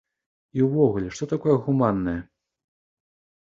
І ўвогуле, што такое гуманнае?